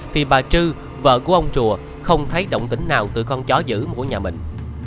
thì bà trư vợ của ông rùa không thấy động tính nào từ con chó dữ của nhà mình